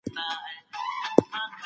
زه په پښتو ژبي خپل احساس ليکم.